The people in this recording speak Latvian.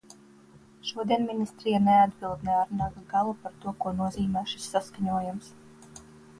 Šodien ministrija neatbild ne ar naga galu par to, ko nozīmē šis saskaņojums.